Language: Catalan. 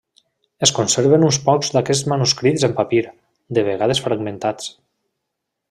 Es conserven uns pocs d'aquests manuscrits en papir, de vegades fragmentats.